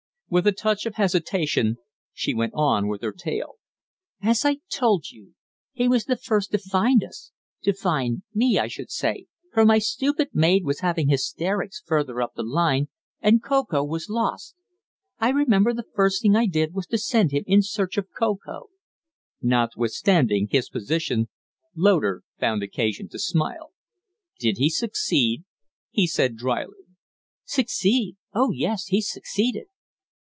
With a touch of hesitation she went on with her tale: "As I told you, he was the first to find us to find me, I should say, for my stupid maid was having hysterics farther up the line, and Ko Ko was lost. I remember the first thing I did was to send him in search of Ko Ko " Notwithstanding his position, Loder found occasion to smile. "Did he succeed?" he said, dryly. "Succeed? Oh yes, he succeeded."